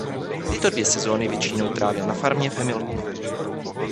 Tyto dvě sezóny většinou trávil na farmě v Hamiltonu.